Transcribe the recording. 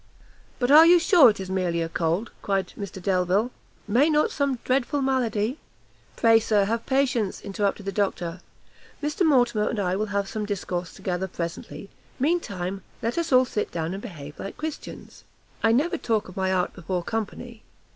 "But are you sure it is merely a cold?" cried Mr Delvile; "may not some dreadful malady" "Pray, Sir, have patience," interrupted the doctor; "Mr Mortimer and I will have some discourse together presently; mean time, let us all sit down, and behave like Christians; I never talk of my art before company.